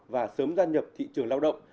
và sớm gia nhập thị trường lao động